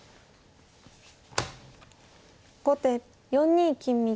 後手４二金右。